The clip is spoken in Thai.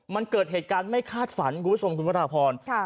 มันเกิดเหตุการณ์ไม่คาดฝันคุณผู้ชมคุณพระราพร